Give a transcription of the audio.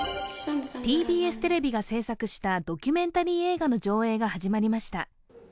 ＴＢＳテレビが制作したドキュメンタリー映画の上映が始まりました。